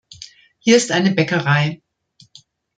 Hier ist eine Bäckerei.